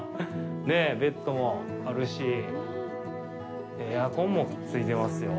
ねぇ、ベッドもあるし、エアコンもついてますよ。